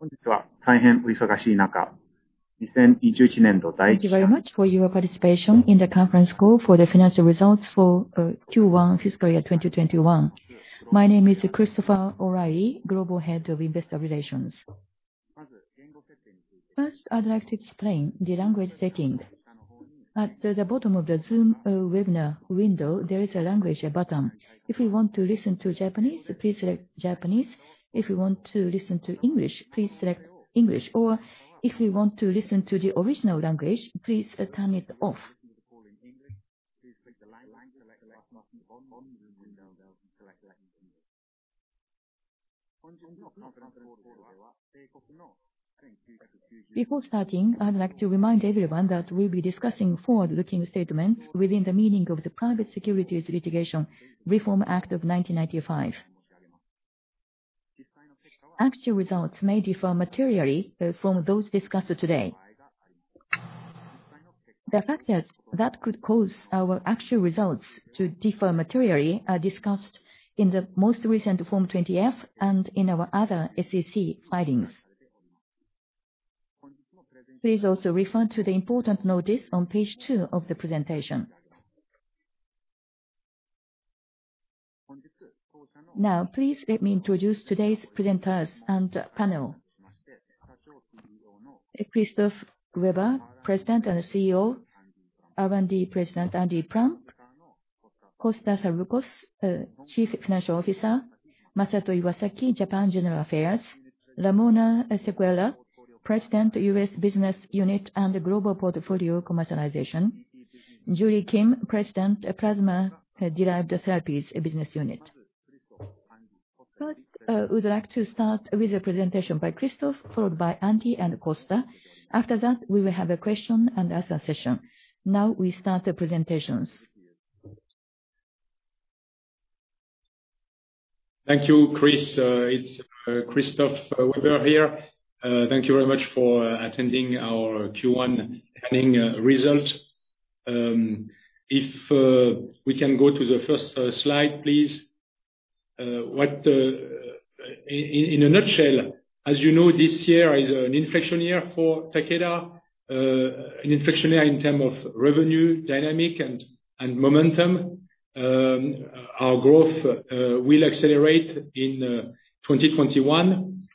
Thank you very much for your participation in the conference call for the financial results for Q1 fiscal year 2021. My name is Christopher O'Reilly, Global Head of Investor Relations. First, I'd like to explain the language setting. At the bottom of the Zoom webinar window, there is a language button. If you want to listen to Japanese, please select Japanese. If you want to listen to English, please select English, or if you want to listen to the original language, please turn it off. Before starting, I'd like to remind everyone that we'll be discussing forward-looking statements within the meaning of the Private Securities Litigation Reform Act of 1995. Actual results may differ materially from those discussed today. The factors that could cause our actual results to differ materially are discussed in the most recent Form 20-F and in our other SEC filings. Please also refer to the important notice on page two of the presentation. Please let me introduce today's presenters and panel. Christophe Weber, President and CEO, President, Research & Development, Andy Plump, Costa Saroukos, Chief Financial Officer, Masato Iwasaki, Japan General Affairs, Takeda Pharmaceutical Company, Ramona Sequeira, President, U.S. Business Unit and Global Portfolio Commercialization, Julie Kim, President, Plasma-Derived Therapies Business Unit, Takeda Pharmaceutical Company. First, we'd like to start with a presentation by Christophe, followed by Andy and Costa. After that, we will have a question and answer session. We start the presentations. Thank you, Chris. It's Christophe Weber here. Thank you very much for attending our Q1 earning result. If we can go to the first slide, please. In a nutshell, as you know, this year is an inflection year for Takeda. An inflection year in term of revenue, dynamic and momentum. Our growth will accelerate in 2021.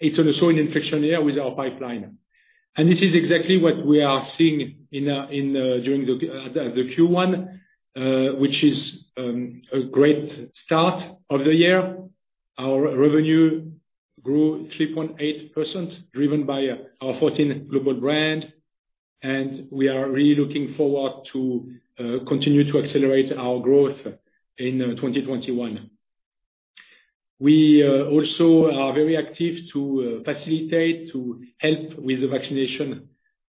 It's also an inflection year with our pipeline. This is exactly what we are seeing during the Q1, which is a great start of the year. Our revenue grew 3.8%, driven by our 14 global brand. We are really looking forward to continue to accelerate our growth in 2021. We also are very active to facilitate to help with the vaccination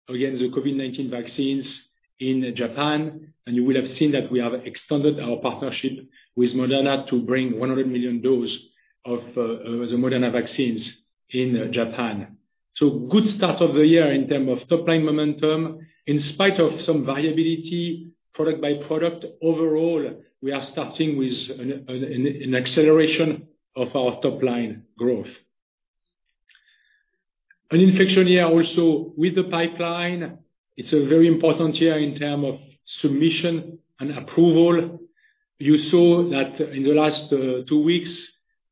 against the COVID-19 vaccines in Japan. You will have seen that we have extended our partnership with Moderna to bring 100 million dose of the Moderna vaccines in Japan. Good start of the year in term of top-line momentum. In spite of some volatility, product by product, overall, we are starting with an acceleration of our top-line growth. An inflection year also with the pipeline. It's a very important year in term of submission and approval. You saw that in the last two weeks,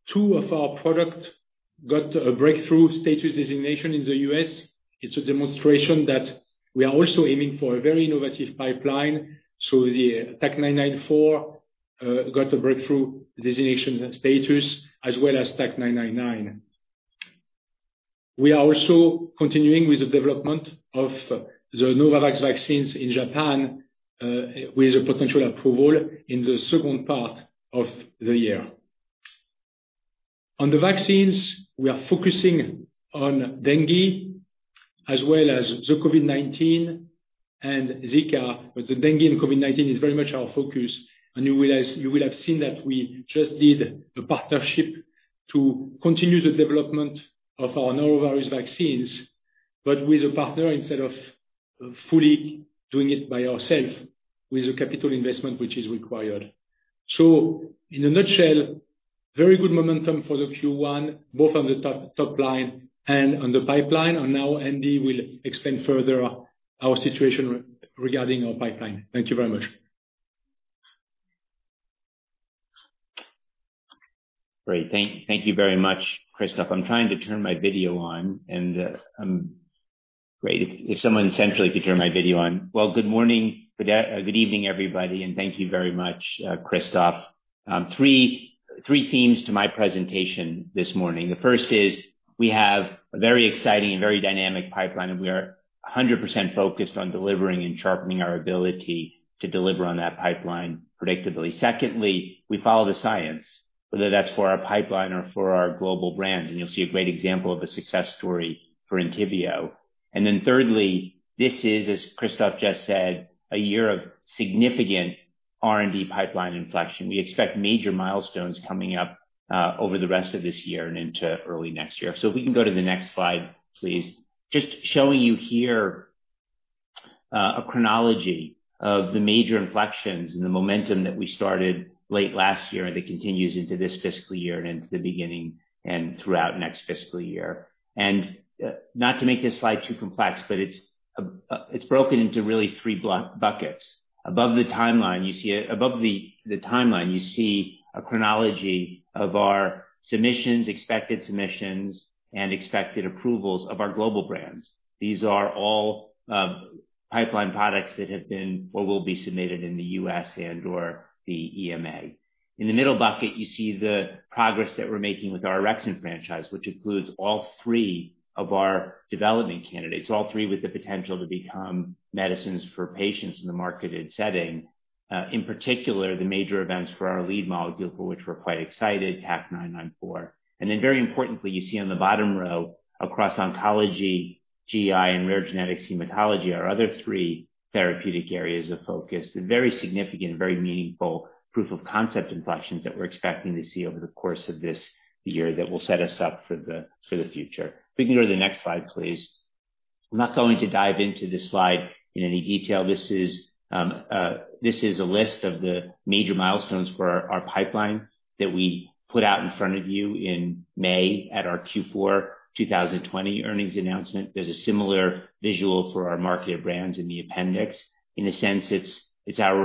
two of our product got a Breakthrough Therapy designation in the U.S. It's a demonstration that we are also aiming for a very innovative pipeline. TAK-994 got a Breakthrough Therapy designation status as well as TAK-999. We are also continuing with the development of the Novavax vaccines in Japan, with a potential approval in the second part of the year. On the vaccines, we are focusing on dengue as well as the COVID-19 and Zika. The dengue and COVID-19 is very much our focus, and you will have seen that we just did a partnership to continue the development of our norovirus vaccines, but with a partner instead of fully doing it by ourselves with the capital investment, which is required. In a nutshell, very good momentum for the Q1, both on the top line and on the pipeline. Now Andy will explain further our situation regarding our pipeline. Thank you very much. Great. Thank you very much, Christophe. I'm trying to turn my video on. If someone centrally could turn my video on. Well, good morning, good evening, everybody. Thank you very much, Christophe. Three themes to my presentation this morning. The first is we have a very exciting and very dynamic pipeline. We are 100% focused on delivering and sharpening our ability to deliver on that pipeline predictably. Secondly, we follow the science, whether that's for our pipeline or for our global brands, and you'll see a great example of a success story for Entyvio. Thirdly, this is, as Christophe just said, a year of significant R&D pipeline inflection. We expect major milestones coming up over the rest of this year and into early next year. If we can go to the next slide, please. Just showing you here. A chronology of the major inflections and the momentum that we started late last year and that continues into this fiscal year and into the beginning and throughout next fiscal year. Not to make this slide too complex, but it's broken into really three buckets. Above the timeline, you see a chronology of our submissions, expected submissions, and expected approvals of our global brands. These are all pipeline products that have been or will be submitted in the U.S. and/or the EMA. In the middle bucket, you see the progress that we're making with our orexin franchise, which includes all three of our development candidates, all three with the potential to become medicines for patients in the marketed setting. In particular, the major events for our lead molecule, for which we're quite excited, TAK-994. Very importantly, you see on the bottom row across oncology, GI, and rare genetic hematology, our other three therapeutic areas of focus, very significant, very meaningful proof of concept inflections that we're expecting to see over the course of this year that will set us up for the future. We can go to the next slide, please. I'm not going to dive into this slide in any detail. This is a list of the major milestones for our pipeline that we put out in front of you in May at our Q4 2020 earnings announcement. There is a similar visual for our marketed brands in the appendix. In a sense, it is our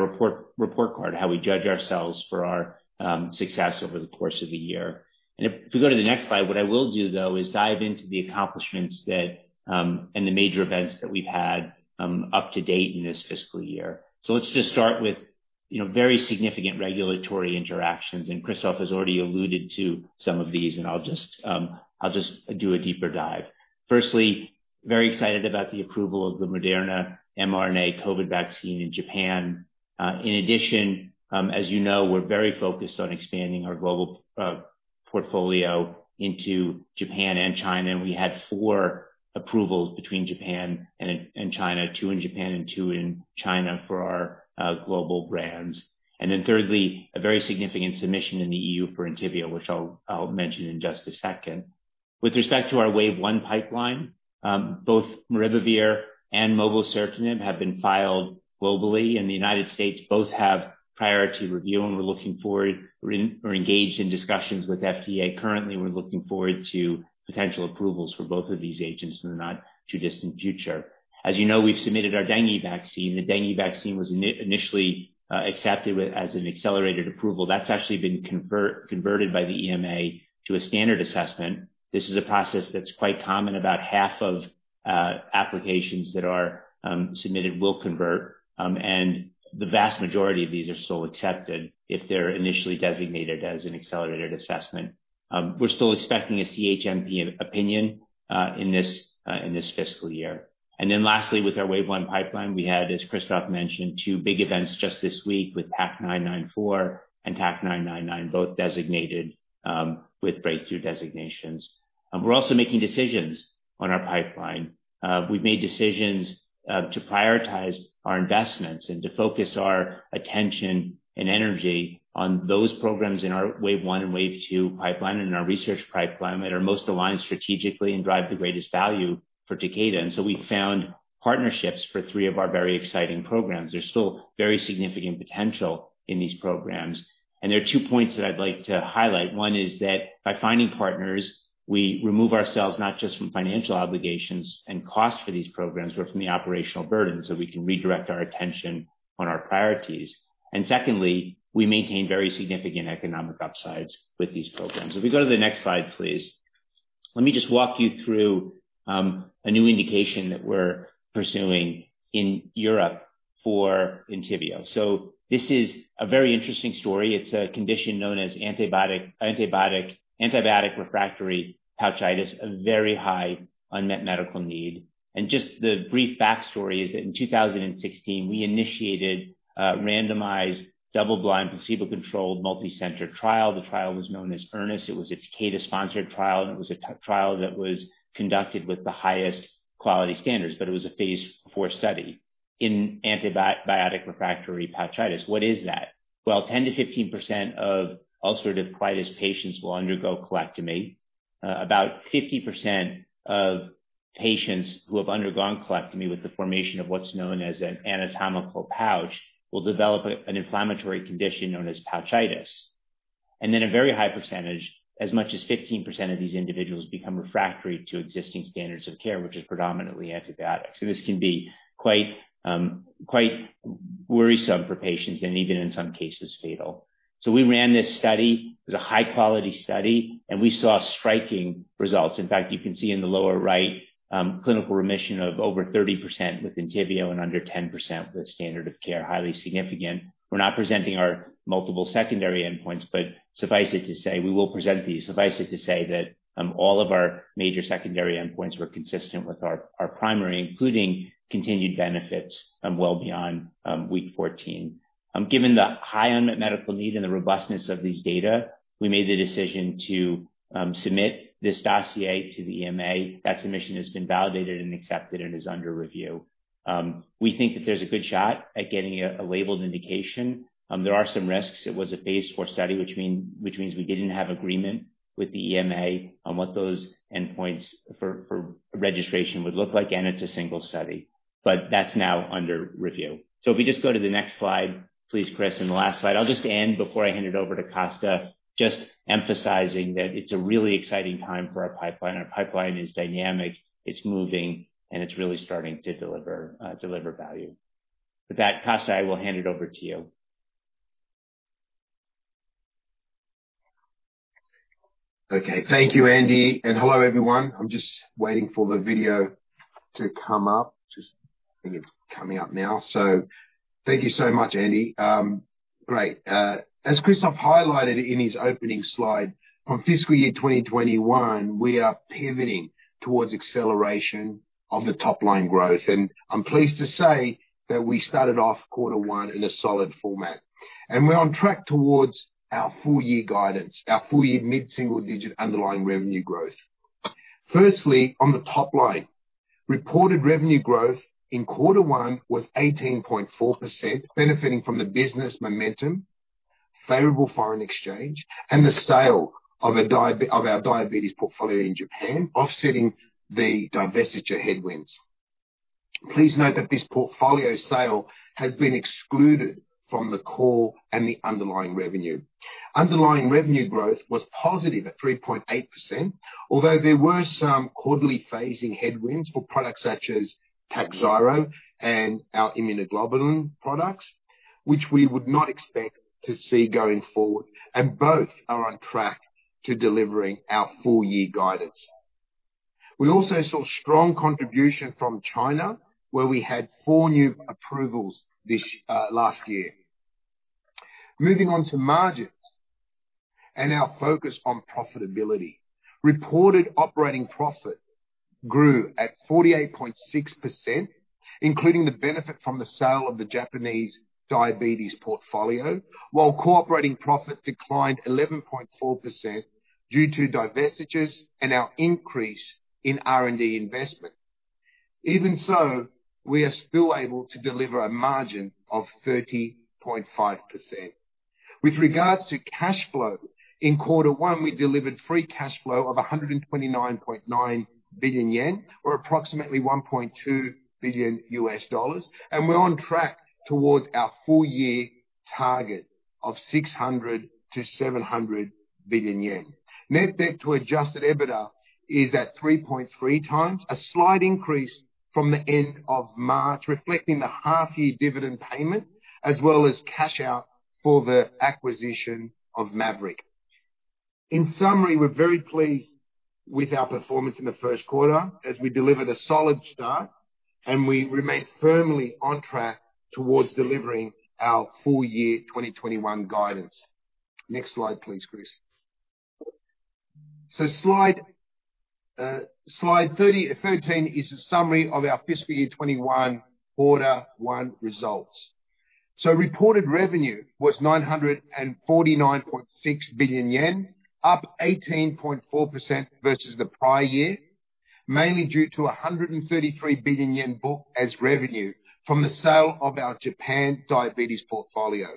report card, how we judge ourselves for our success over the course of a year. If we go to the next slide, what I will do though is dive into the accomplishments that, and the major events that we've had up to date in this fiscal year. Let's just start with very significant regulatory interactions, and Christophe has already alluded to some of these, and I'll just do a deeper dive. Firstly, very excited about the approval of the Moderna mRNA COVID vaccine in Japan. In addition, as you know, we're very focused on expanding our global portfolio into Japan and China, and we had four approvals between Japan and China, two in Japan and two in China for our global brands. Thirdly, a very significant submission in the EU for Entyvio, which I'll mention in just a second. With respect to our Wave one pipeline, both maribavir and mobocertinib have been filed globally. In the U.S., both have priority review. We're engaged in discussions with FDA currently. We're looking forward to potential approvals for both of these agents in the not-too-distant future. As you know, we've submitted our dengue vaccine. The dengue vaccine was initially accepted as an accelerated approval. That's actually been converted by the EMA to a standard assessment. This is a process that's quite common. About half of applications that are submitted will convert. The vast majority of these are still accepted if they're initially designated as an accelerated assessment. We're still expecting a CHMP opinion in this fiscal year. Lastly, with our Wave 1 pipeline, we had, as Christophe mentioned, two big events just this week with TAK-994 and TAK-999, both designated with Breakthrough Therapy designations. We're also making decisions on our pipeline. We've made decisions to prioritize our investments and to focus our attention and energy on those programs in our Wave 1 and Wave 2 pipeline and in our research pipeline that are most aligned strategically and drive the greatest value for Takeda. We found partnerships for three of our very exciting programs. There is still very significant potential in these programs. There are two points that I would like to highlight. One is that by finding partners, we remove ourselves not just from financial obligations and cost for these programs, but from the operational burden so we can redirect our attention on our priorities. Secondly, we maintain very significant economic upsides with these programs. If we go to the next slide, please. Let me just walk you through a new indication that we are pursuing in Europe for Entyvio. This is a very interesting story. It's a condition known as antibiotic refractory pouchitis, a very high unmet medical need. Just the brief backstory is that in 2016, we initiated a randomized, double-blind, placebo-controlled, multi-center trial. The trial was known as EARNEST. It was a Takeda-sponsored trial, and it was a trial that was conducted with the highest quality standards. It was a phase IV study in antibiotic refractory pouchitis. What is that? Well, 10%-15% of ulcerative colitis patients will undergo colectomy. About 50% of patients who have undergone colectomy with the formation of what's known as an anatomical pouch will develop an inflammatory condition known as pouchitis. A very high percentage, as much as 15% of these individuals, become refractory to existing standards of care, which is predominantly antibiotics. This can be quite worrisome for patients and even in some cases, fatal. We ran this study. It was a high-quality study, and we saw striking results. In fact, you can see in the lower right, clinical remission of over 30% with Entyvio and under 10% with standard of care. Highly significant. We're not presenting our multiple secondary endpoints, but suffice it to say, we will present these. Suffice it to say that all of our major secondary endpoints were consistent with our primary, including continued benefits well beyond week 14. Given the high unmet medical need and the robustness of these data, we made the decision to submit this dossier to the EMA. That submission has been validated and accepted and is under review. We think that there's a good shot at getting a labeled indication. There are some risks. It was a phase IV study, which means we didn't have agreement with the EMA on what those endpoints for registration would look like, and it's a single study. That's now under review. If we just go to the next slide, please, Chris, and the last slide. I'll just end before I hand it over to Costa, just emphasizing that it's a really exciting time for our pipeline. Our pipeline is dynamic, it's moving, and it's really starting to deliver value. With that, Costa, I will hand it over to you. Okay. Thank you, Andy, and hello, everyone. I'm just waiting for the video to come up. Just think it's coming up now. Thank you so much, Andy. Great. As Christophe highlighted in his opening slide, from FY 2021, we are pivoting towards acceleration of the top-line growth, and I'm pleased to say that we started off Q1 in a solid format. We're on track towards our full-year guidance, our full-year mid-single digit underlying revenue growth. Firstly, on the top line, reported revenue growth in Q1 was 18.4%, benefiting from the business momentum, favorable foreign exchange, and the sale of our diabetes portfolio in Japan offsetting the divestiture headwinds. Please note that this portfolio sale has been excluded from the core and the underlying revenue. Underlying revenue growth was positive at 3.8%, although there were some quarterly phasing headwinds for products such as TAKHZYRO and our immunoglobulin products, which we would not expect to see going forward. Both are on track to delivering our full-year guidance. We also saw strong contribution from China, where we had four new approvals last year. Moving on to margins and our focus on profitability. Reported operating profit grew at 48.6%, including the benefit from the sale of the Japanese diabetes portfolio, while core operating profit declined 11.4% due to divestitures and our increase in R&D investment. Even so, we are still able to deliver a margin of 30.5%. With regards to cash flow, in Q1, we delivered free cash flow of 129.9 billion yen, or approximately $1.2 billion, and we're on track towards our full-year target of 600 billion to 700 billion yen. Net debt to adjusted EBITDA is at 3.3x, a slight increase from the end of March, reflecting the half-year dividend payment, as well as cash out for the acquisition of Maverick. We're very pleased with our performance in the first quarter as we delivered a solid start and we remain firmly on track towards delivering our full-year 2021 guidance. Next slide, please, Chris. Slide 13 is a summary of our fiscal year 2021 Q1 results. Reported revenue was 949.6 billion yen, up 18.4% versus the prior year, mainly due to 133 billion yen booked as revenue from the sale of our Japan diabetes portfolio.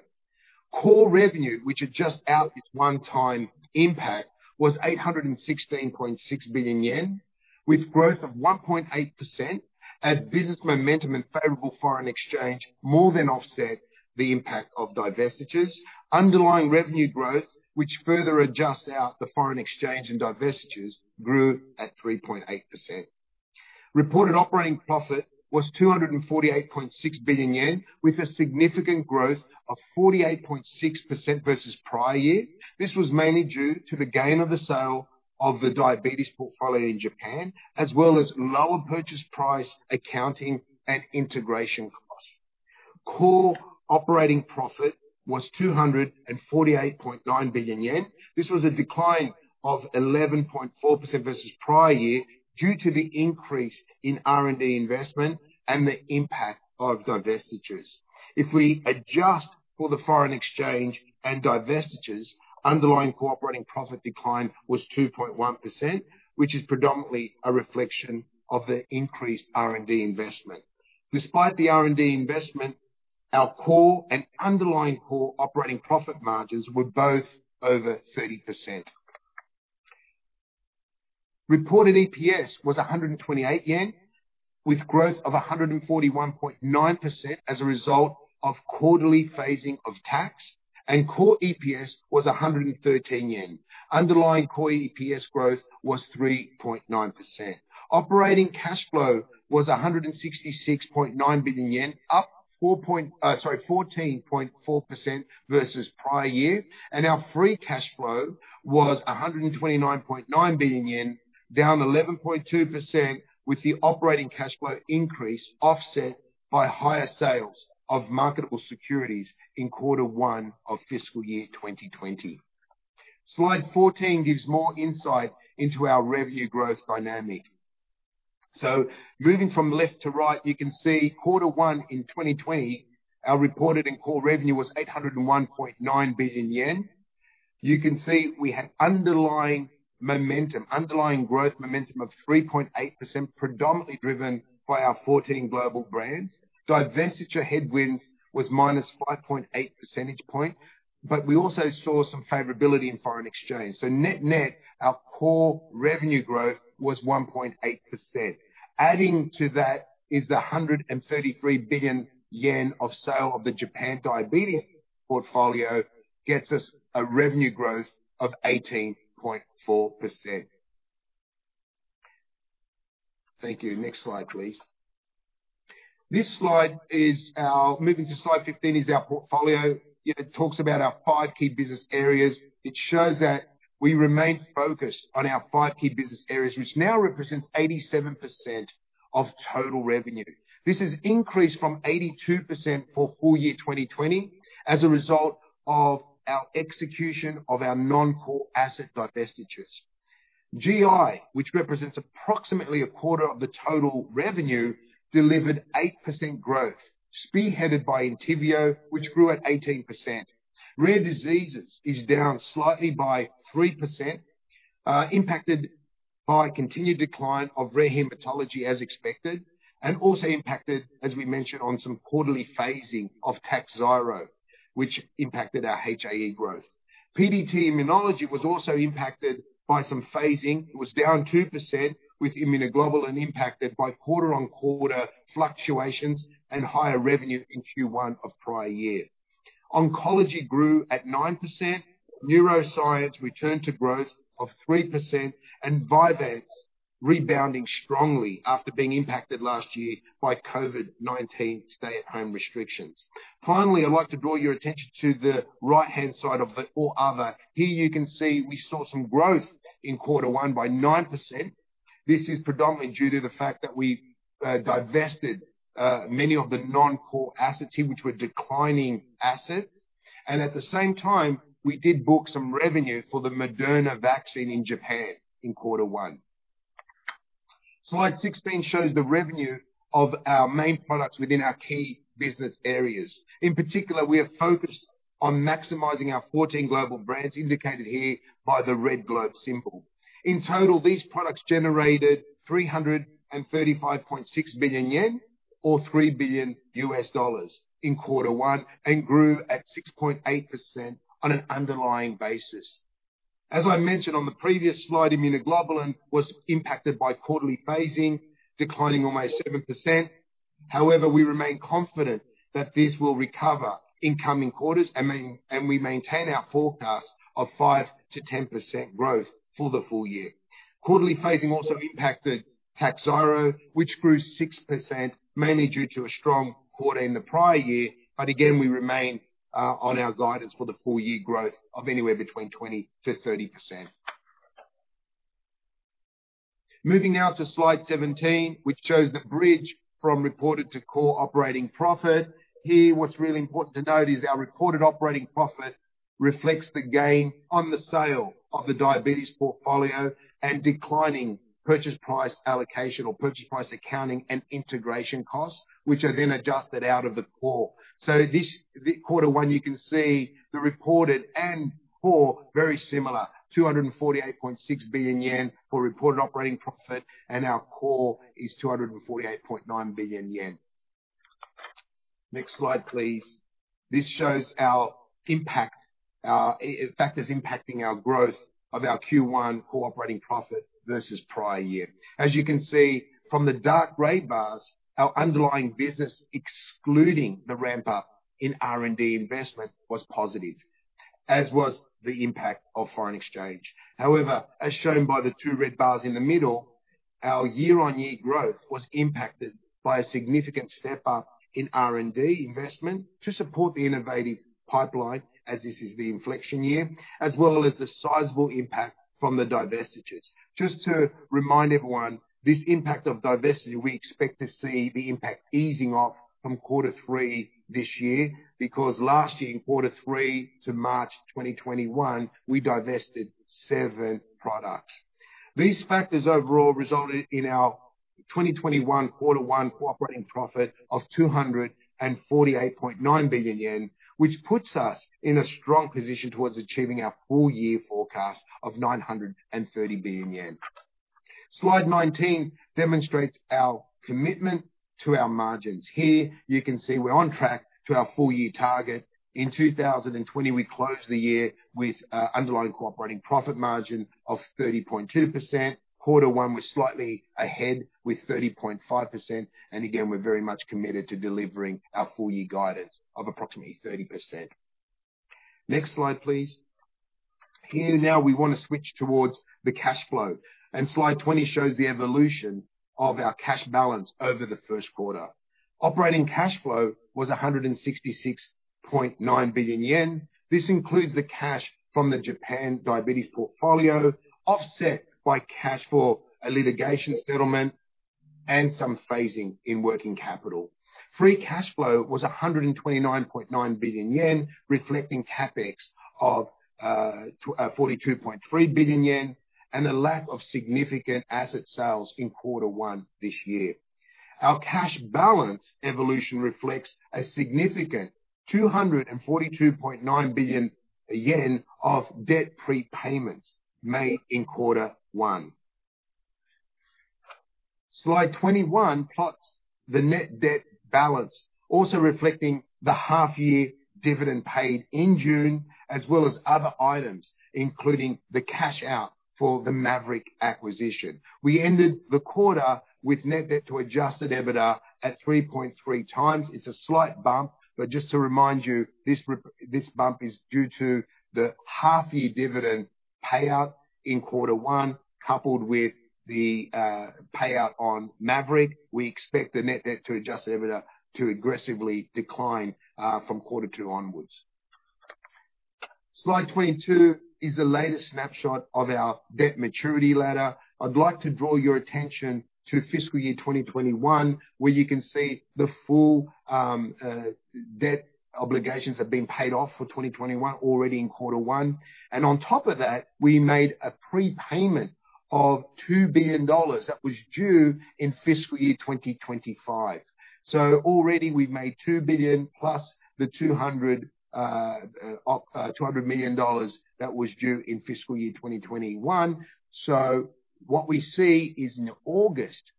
Core revenue, which adjusts out its one-time impact, was 816.6 billion yen, with growth of 1.8% as business momentum and favorable foreign exchange more than offset the impact of divestitures. Underlying revenue growth, which further adjusts out the foreign exchange and divestitures, grew at 3.8%. Reported operating profit was 248.6 billion yen, with a significant growth of 48.6% versus prior year. This was mainly due to the gain of the sale of the diabetes portfolio in Japan, as well as lower purchase price accounting and integration costs. Core operating profit was 248.9 billion yen. This was a decline of 11.4% versus prior year due to the increase in R&D investment and the impact of divestitures. If we adjust for the foreign exchange and divestitures, underlying core operating profit decline was 2.1%, which is predominantly a reflection of the increased R&D investment. Despite the R&D investment, our core and underlying core operating profit margins were both over 30%. Reported EPS was 128 yen, with growth of 141.9% as a result of quarterly phasing of tax, and core EPS was 113 yen. Underlying core EPS growth was 3.9%. Operating cash flow was 166.9 billion yen, up 14.4% versus prior year. Our free cash flow was 129.9 billion yen, down 11.2% with the operating cash flow increase offset by higher sales of marketable securities in Q1 of fiscal year 2020. Slide 14 gives more insight into our revenue growth dynamic. Moving from left to right, you can see Q1 in 2020, our reported and core revenue was 801.9 billion yen. You can see we had underlying growth momentum of 3.8%, predominantly driven by our 14 global brands. Divestiture headwinds was -5.8 percentage point, but we also saw some favorability in foreign exchange. Net net, our core revenue growth was 1.8%. Adding to that is the 133 billion yen of sale of the Japan diabetes portfolio gets us a revenue growth of 18.4%. Thank you. Next slide, please. Moving to slide 15 is our portfolio. It talks about our five key business areas. It shows that we remain focused on our five key business areas, which now represents 87% of total revenue. This has increased from 82% for full-year 2020 as a result of our execution of our non-core asset divestitures. GI, which represents approximately a quarter of the total revenue, delivered 8% growth, spearheaded by Entyvio, which grew at 18%. Rare diseases is down slightly by 3%, impacted by continued decline of rare hematology as expected, and also impacted, as we mentioned, on some quarterly phasing of TAKHZYRO, which impacted our HAE growth. PDT/immunology was also impacted by some phasing. It was down 2% with immunoglobulin impacted by quarter-on-quarter fluctuations and higher revenue in Q1 of prior year. Oncology grew at 9%. Neuroscience returned to growth of 3%, and Vyvanse rebounding strongly after being impacted last year by COVID-19 stay-at-home restrictions. Finally, I'd like to draw your attention to the right-hand side of the All Other. Here you can see we saw some growth in quarter one by 9%. This is predominantly due to the fact that we divested many of the non-core assets here, which were declining assets. At the same time, we did book some revenue for the Moderna vaccine in Japan in quarter one. Slide 16 shows the revenue of our main products within our key business areas. In particular, we are focused on maximizing our 14 global brands, indicated here by the red globe symbol. In total, these products generated 335.6 billion yen, or $3 billion in quarter one, and grew at 6.8% on an underlying basis. As I mentioned on the previous slide, immunoglobulin was impacted by quarterly phasing, declining almost 7%. However, we remain confident that this will recover in coming quarters, and we maintain our forecast of 5%-10% growth for the full-year. Quarterly phasing also impacted TAKHZYRO, which grew 6%, mainly due to a strong quarter in the prior year. Again, we remain on our guidance for the full-year growth of anywhere between 20%-30%. Moving now to slide 17, which shows the bridge from reported to core operating profit. Here, what's really important to note is our reported operating profit reflects the gain on the sale of the diabetes portfolio and declining purchase price allocation or purchase price accounting and integration costs, which are then adjusted out of the core. This quarter one, you can see the reported and core, very similar, 248.6 billion yen for reported operating profit and our core is 248.9 billion yen. Next slide, please. This shows factors impacting our growth of our Q1 core operating profit versus prior year. As you can see from the dark gray bars, our underlying business, excluding the ramp-up in R&D investment, was positive, as was the impact of foreign exchange. However, as shown by the two red bars in the middle, our year-on-year growth was impacted by a significant step-up in R&D investment to support the innovative pipeline as this is the inflection year, as well as the sizable impact from the divestitures. Just to remind everyone, this impact of divestiture, we expect to see the impact easing off from quarter three this year, because last year in quarter three to March 2021, we divested seven products. These factors overall resulted in our 2021 quarter one core operating profit of 248.9 billion yen, which puts us in a strong position towards achieving our full-year forecast of 930 billion yen. Slide 19 demonstrates our commitment to our margins. Here you can see we're on track to our full-year target. In 2020, we closed the year with underlying core operating profit margin of 30.2%. Quarter one was slightly ahead with 30.5%. Again, we're very much committed to delivering our full-year guidance of approximately 30%. Next slide, please. Here now we want to switch towards the cash flow, slide 20 shows the evolution of our cash balance over the first quarter. Operating cash flow was 166.9 billion yen. This includes the cash from the Japan diabetes portfolio, offset by cash for a litigation settlement and some phasing in working capital. Free cash flow was 129.9 billion yen, reflecting CapEx of 42.3 billion yen and a lack of significant asset sales in quarter one this year. Our cash balance evolution reflects a significant 242.9 billion yen of debt prepayments made in quarter one. Slide 21 plots the net debt balance, also reflecting the half-year dividend paid in June, as well as other items, including the cash out for the Maverick acquisition. We ended the quarter with net debt to adjusted EBITDA at 3.3x. It's a slight bump, but just to remind you, this bump is due to the half-year dividend payout in quarter one, coupled with the payout on Maverick. We expect the net debt to adjusted EBITDA to aggressively decline from quarter two onwards. Slide 22 is the latest snapshot of our debt maturity ladder. I'd like to draw your attention to fiscal year 2021, where you can see the full debt obligations have been paid off for 2021, already in quarter one. On top of that, we made a prepayment of JPY 2 billion that was due in fiscal year 2025. Already we've made 2 billion, plus the JPY 200 million that was due in FY 2021. What we see is, in August,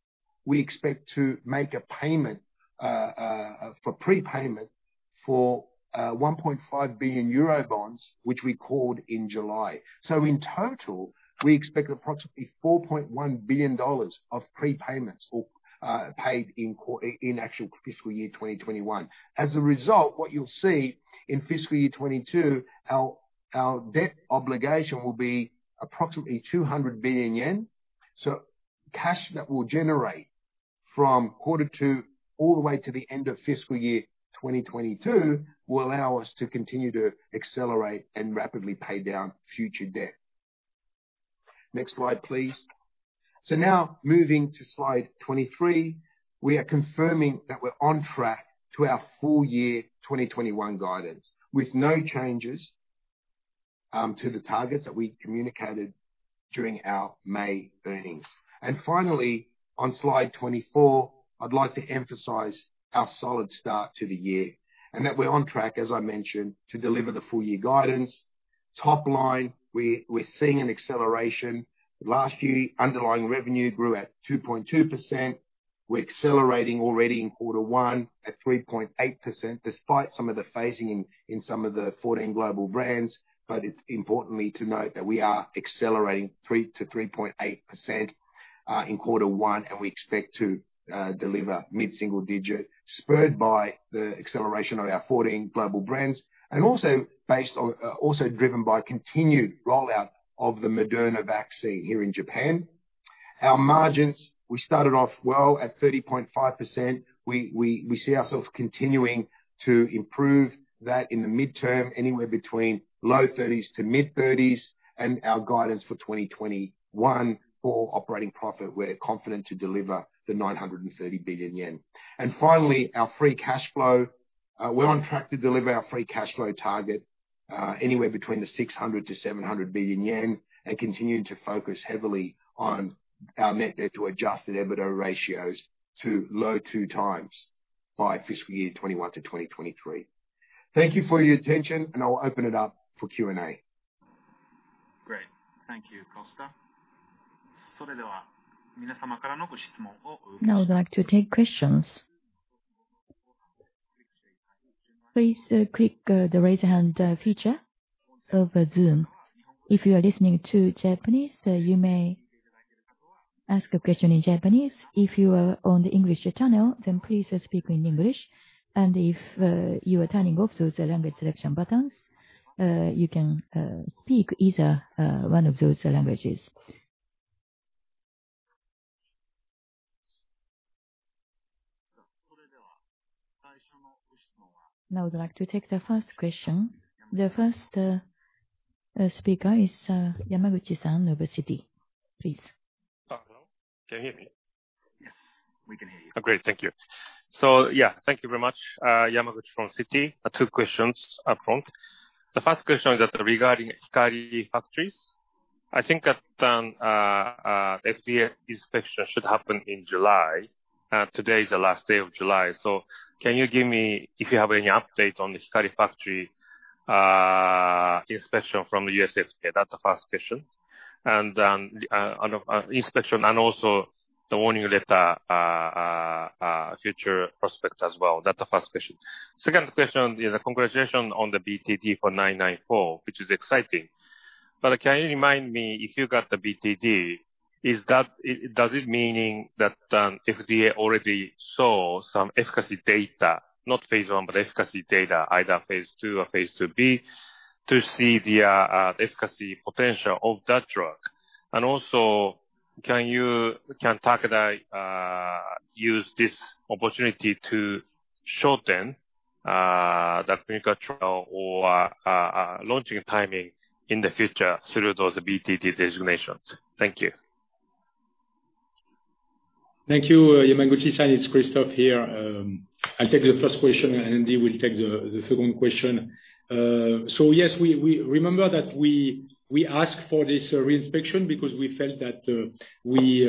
we expect to make a prepayment for 1.5 billion euro bonds, which we called in July. In total, we expect approximately JPY 4.1 billion of prepayments paid in actual FY 2021. As a result, what you'll see in FY 2022, our debt obligation will be approximately 200 billion yen. Cash that will generate from quarter two all the way to the end of FY 2022 will allow us to continue to accelerate and rapidly pay down future debt. Next slide, please. Now moving to slide 23, we are confirming that we're on track to our full-year 2021 guidance, with no changes to the targets that we communicated during our May earnings. Finally, on slide 24, I'd like to emphasize our solid start to the year, and that we're on track, as I mentioned, to deliver the full-year guidance. Top line, we're seeing an acceleration. Last year, underlying revenue grew at 2.2%. We're accelerating already in quarter one at 3.8%, despite some of the phasing in some of the 14 global brands. It's importantly to note that we are accelerating 3%-3.8% in quarter one, and we expect to deliver mid-single digit, spurred by the acceleration of our 14 global brands. Also driven by continued rollout of the Moderna vaccine here in Japan. Our margins, we started off well at 30.5%. We see ourselves continuing to improve that in the midterm, anywhere between low 30s to mid-30s. Our guidance for 2021 for operating profit, we're confident to deliver the 930 billion yen. Finally, our free cash flow. We're on track to deliver our free cash flow target anywhere between 600 billion-700 billion yen, and continuing to focus heavily on our net debt to adjusted EBITDA ratios to low two times by fiscal year 2021 to 2023. Thank you for your attention. I'll open it up for Q&A. Great. Thank you, Costa. Now we'd like to take questions. Please click the raise hand feature of Zoom. If you are listening to Japanese, you may ask a question in Japanese. If you are on the English channel, please speak in English. If you are turning off those language selection buttons, you can speak either one of those languages. Now we'd like to take the first question. The first speaker is Yamaguchi San, over Citi. Please. Can you hear me? Yes, we can hear you. Great. Thank you. Thank you very much. Yamaguchi from Citi. Two questions up front. The first question is regarding Hikari factories. I think that FDA inspection should happen in July. Today is the last day of July. Can you give me if you have any update on the Hikari factory inspection from the U.S.A.? That's the first question. Also the warning letter future prospect as well. That's the first question. Second question is a congratulation on the BTD for TAK-994, which is exciting. Can you remind me, if you got the BTD, does it meaning that FDA already saw some efficacy data, not phase I, but efficacy data, either phase II or phase II-B, to see the efficacy potential of that drug? Also, can Takeda use this opportunity to shorten that clinical trial or launching timing in the future through those BTD designations? Thank you. Thank you. Yamaguchi San, it's Christophe here. I'll take the first question, and Andy will take the second question. Yes, remember that we asked for this re-inspection because we felt that we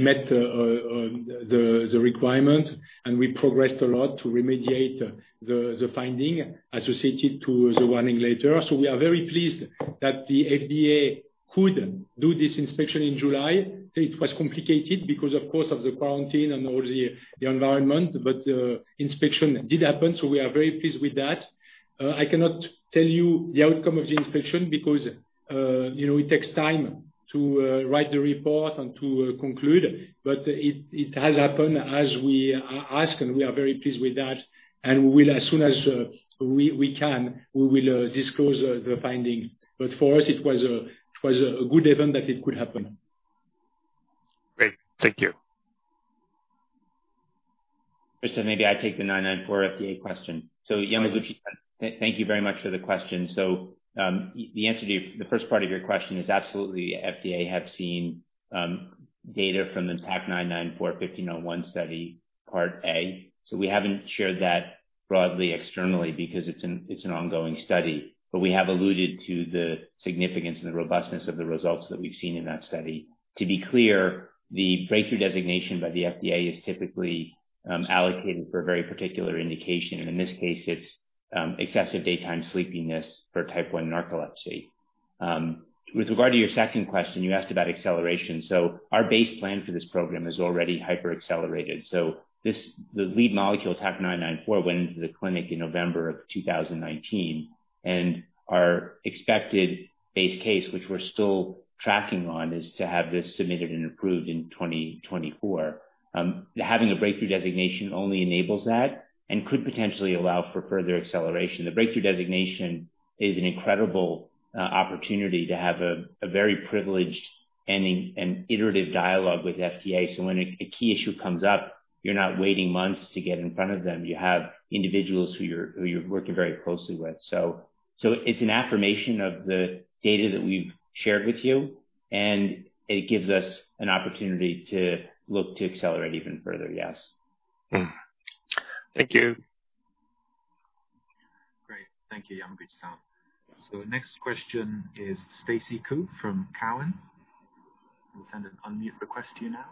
met the requirement, and we progressed a lot to remediate the finding associated to the warning letter. We are very pleased that the FDA could do this inspection in July. It was complicated because, of course, of the quarantine and all the environment. The inspection did happen, so we are very pleased with that. I cannot tell you the outcome of the inspection because it takes time To write the report and to conclude. It has happened as we ask, and we are very pleased with that, and as soon as we can, we will disclose the finding. For us, it was a good event that it could happen. Great. Thank you. Chris, maybe I take the TAK-994 FDA question. Yamaguchi-san, thank you very much for the question. The answer to the first part of your question is absolutely, FDA have seen data from the TAK-994 15-01 study part A. We haven't shared that broadly externally because it's an ongoing study, but we have alluded to the significance and the robustness of the results that we've seen in that study. To be clear, the breakthrough designation by the FDA is typically allocated for a very particular indication, and in this case, it's excessive daytime sleepiness for type one narcolepsy. With regard to your second question, you asked about acceleration. Our base plan for this program is already hyper-accelerated. The lead molecule, TAK-994, went into the clinic in November of 2019. Our expected base case, which we're still tracking on, is to have this submitted and approved in 2024. Having a Breakthrough designation only enables that and could potentially allow for further acceleration. The Breakthrough designation is an incredible opportunity to have a very privileged and iterative dialogue with FDA. When a key issue comes up, you're not waiting months to get in front of them. You have individuals who you're working very closely with. It's an affirmation of the data that we've shared with you, and it gives us an opportunity to look to accelerate even further. Yes. Thank you. Great. Thank you, Yamaguchi-san. The next question is Stacy Ku from Cowen. I'll send an unmute request to you now.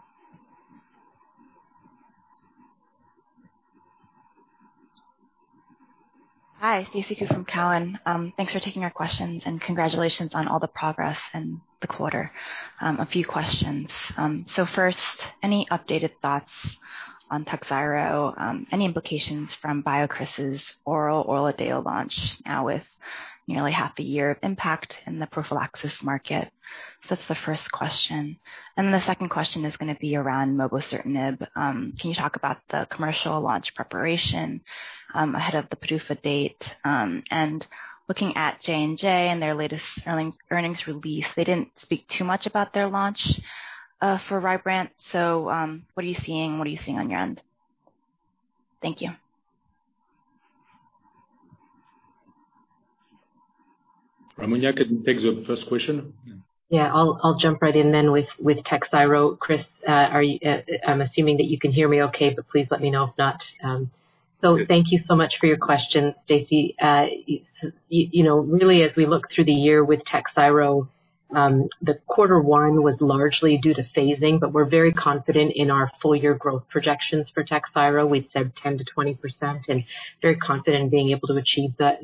Hi, Stacy Ku from Cowen. Thanks for taking our questions and congratulations on all the progress in the quarter. A few questions. First, any updated thoughts on TAKHZYRO? Any implications from BioCryst's oral ORLADEYO launch now with nearly half a year of impact in the prophylaxis market? That's the first question. The second question is going to be around mobocertinib. Can you talk about the commercial launch preparation ahead of the PDUFA date? Looking at J&J and their latest earnings release, they didn't speak too much about their launch for RYBREVANT. What are you seeing on your end? Thank you. Ramona can take the first question. I'll jump right in with TAKHZYRO. Chris, I'm assuming that you can hear me okay, but please let me know if not. Thank you so much for your question, Stacy. Really, as we look through the year with TAKHZYRO, the Q1 was largely due to phasing, but we're very confident in our full-year growth projections for TAKHZYRO. We've said 10%-20% and very confident in being able to achieve that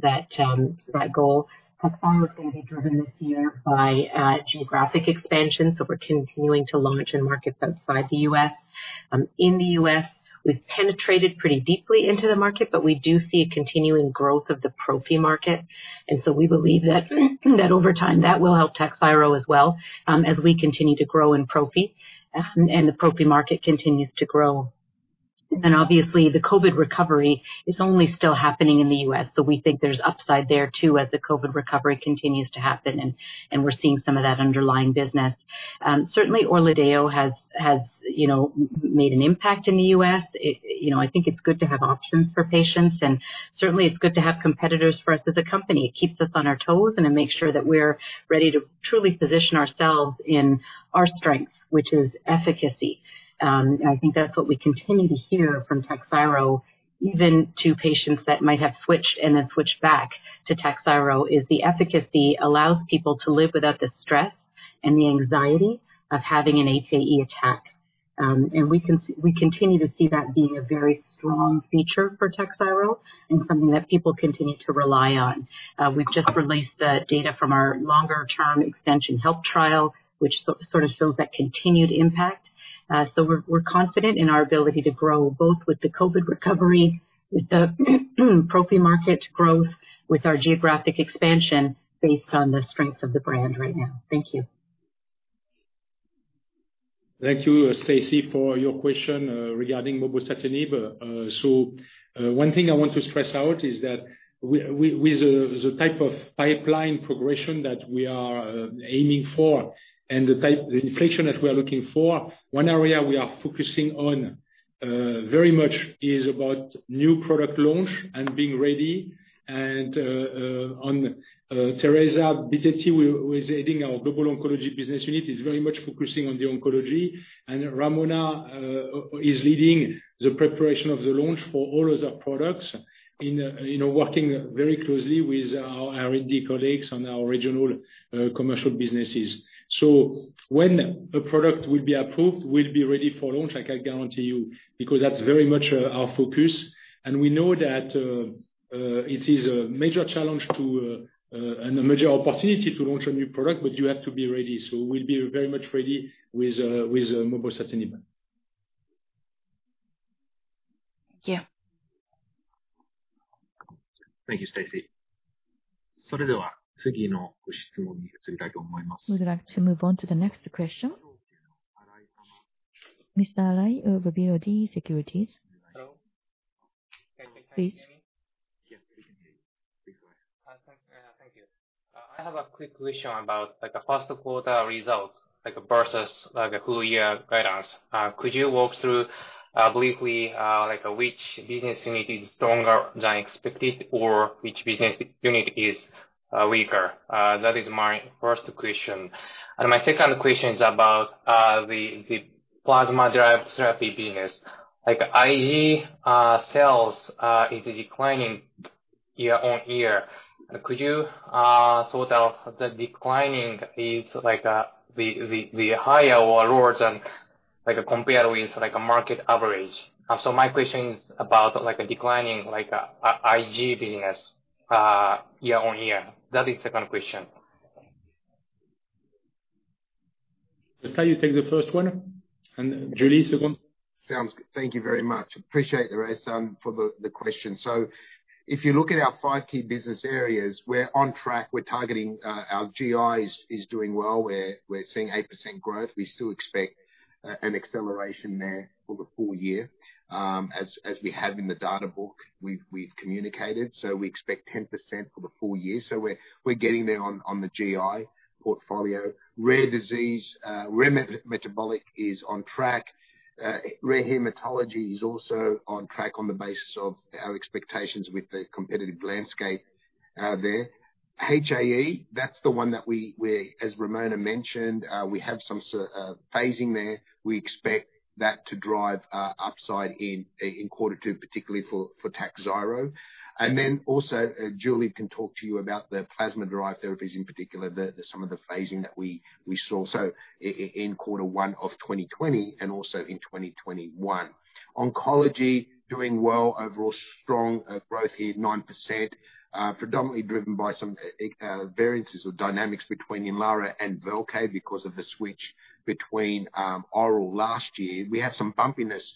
goal. TAKHZYRO is going to be driven this year by geographic expansion, so we're continuing to launch in markets outside the U.S. In the U.S., we've penetrated pretty deeply into the market, but we do see a continuing growth of the prophy market, and so we believe that over time, that will help TAKHZYRO as well as we continue to grow in prophy and the prophy market continues to grow. obviously the COVID recovery is only still happening in the U.S. We think there's upside there too as the COVID recovery continues to happen and we're seeing some of that underlying business. Certainly ORLADEYO has made an impact in the U.S. I think it's good to have options for patients, and certainly it's good to have competitors for us as a company. It keeps us on our toes and it makes sure that we're ready to truly position ourselves in our strength, which is efficacy. I think that's what we continue to hear from TAKHZYRO, even to patients that might have switched and then switched back to TAKHZYRO, is the efficacy allows people to live without the stress and the anxiety of having an HAE attack. We continue to see that being a very strong feature for TAKHZYRO and something that people continue to rely on. We've just released the data from our longer-term extension HELP Study, which sort of shows that continued impact. We're confident in our ability to grow both with the COVID recovery, with the prophy market growth, with our geographic expansion based on the strengths of the brand right now. Thank you. Thank you, Stacy, for your question regarding mobocertinib. One thing I want to stress out is that with the type of pipeline progression that we are aiming for and the inflation that we are looking for, one area we are focusing on very much is about new product launch and being ready. Teresa Bitetti, who is heading our Global Oncology Business Unit, is very much focusing on the oncology. Ramona is leading the preparation of the launch for all of the products in working very closely with our R&D colleagues on our regional commercial businesses. When a product will be approved, we'll be ready for launch, I guarantee you, because that's very much our focus, and we know that it is a major challenge and a major opportunity to launch a new product, but you have to be ready. We'll be very much ready with mobocertinib. Thank you. Thank you, Stacy. We'd like to move on to the next question. Mr. Arai of BofA Securities. Hello. Can you hear me? Yes, we can hear you. Please go ahead. Thank you. I have a quick question about the first quarter results versus the full-year guidance. Could you walk through briefly which business unit is stronger than expected or which business unit is weaker? That is my first question. My second question is about the plasma-derived therapy business. IG sales is declining year-on-year. Could you sort out the declining is the higher or lower than compared with a market average? My question is about a declining IG business year-on-year. That is second question. Costa, you take the first one, and Julie, second. Sounds good. Thank you very much. Appreciate it, Arai-san, for the question. If you look at our five key business areas, we're on track. We're targeting our GI is doing well. We're seeing 8% growth. We still expect an acceleration there for the full-year. As we have in the data book, we've communicated, we expect 10% for the full-year. We're getting there on the GI portfolio. Rare disease, rare metabolic is on track. Rare hematology is also on track on the basis of our expectations with the competitive landscape there. HAE, that's the one that as Ramona mentioned, we have some phasing there. We expect that to drive upside in quarter two, particularly for TAKHZYRO. Also, Julie can talk to you about the plasma-derived therapies, in particular some of the phasing that we saw so in quarter one of 2020 and also in 2021. Oncology doing well. Overall strong growth here, 9%, predominantly driven by some variances of dynamics between NINLARO and VELCADE because of the switch between oral last year. We had some bumpiness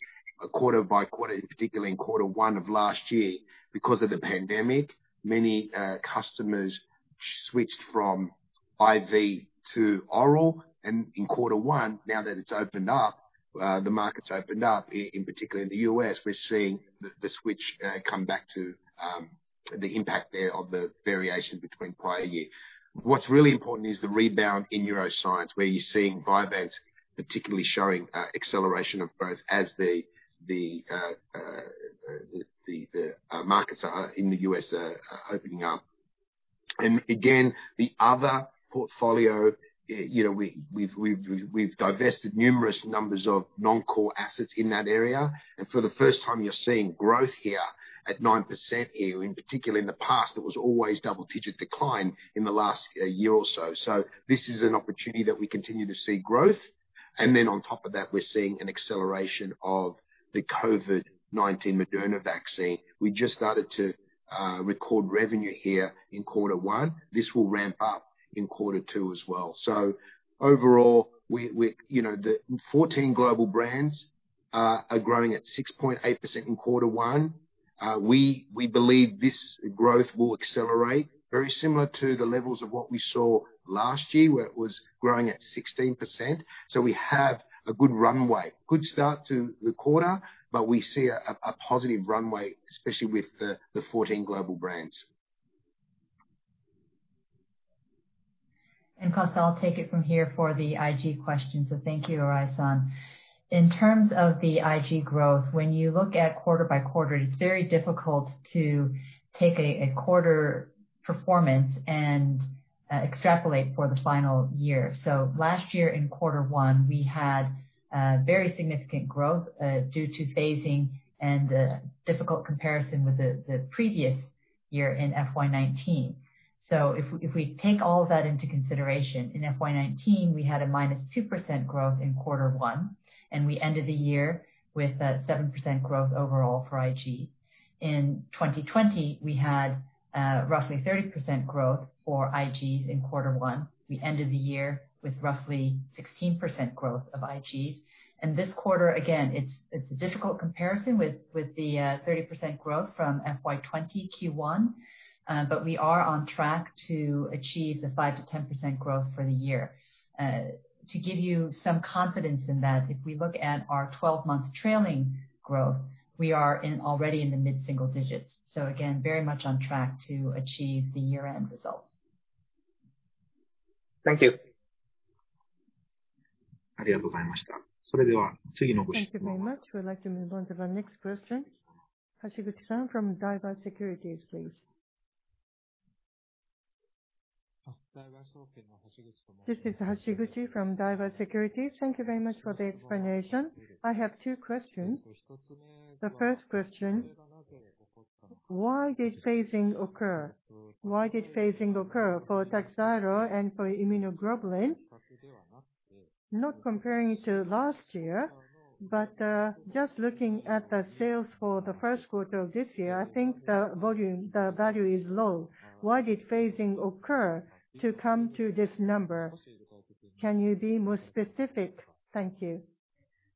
quarter by quarter, in particular in quarter one of last year. Because of the pandemic, many customers switched from IV to oral, and in quarter one, now that it's opened up, the market's opened up, in particular in the U.S., we're seeing the switch come back to the impact there of the variation between prior year. What's really important is the rebound in neuroscience, where you're seeing Vyvanse particularly showing acceleration of growth as the markets are in the U.S. are opening up. Again, the Other portfolio, we've divested numerous numbers of non-core assets in that area. For the first time, you're seeing growth here at 9%. In particular, in the past, it was always double-digit decline in the last year or so. This is an opportunity that we continue to see growth. Then on top of that, we're seeing an acceleration of the COVID-19 Moderna vaccine. We just started to record revenue here in quarter one. This will ramp up in quarter two as well. Overall, the 14 global brands are growing at 6.8% in quarter one. We believe this growth will accelerate very similar to the levels of what we saw last year, where it was growing at 16%. We have a good runway. Good start to the quarter, but we see a positive runway, especially with the 14 global brands. Costa, I'll take it from here for the IG question. Thank you, Arai-san. In terms of the IG growth, when you look at quarter by quarter, it's very difficult to take a quarter performance and extrapolate for the final year. Last year in quarter one, we had very significant growth due to phasing and difficult comparison with the previous year in FY 2019. If we take all of that into consideration, in FY 2019, we had a -2% growth in quarter one, and we ended the year with a 7% growth overall for IG. In 2020, we had roughly 30% growth for IGs in quarter one. We ended the year with roughly 16% growth of IGs. This quarter, again, it's a difficult comparison with the 30% growth from FY 2020 Q1. We are on track to achieve the 5%-10% growth for the year. To give you some confidence in that, if we look at our 12-month trailing growth, we are already in the mid-single digits. Again, very much on track to achieve the year-end results. Thank you. Thank you very much. We'd like to move on to the next question. Hashiguchi-san from Daiwa Securities, please. This is Hashiguchi from Daiwa Securities. Thank you very much for the explanation. I have two questions. The 1st question, why did phasing occur? Why did phasing occur for TAKHZYRO and for immunoglobulin? Not comparing it to last year, but just looking at the sales for the first quarter of this year, I think the value is low. Why did phasing occur to come to this number? Can you be more specific? Thank you.